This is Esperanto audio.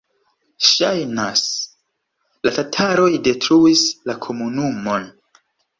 Ŝajnas, la tataroj detruis la komunumon.